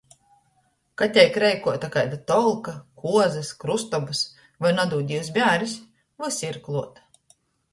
Ka teik reikuota kaida tolka, kuozys, krystobys voi, nadūd Dīvs, bēris, vysi ir kluot!